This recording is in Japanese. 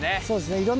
そうですね